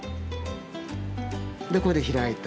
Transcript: でこれで開いた。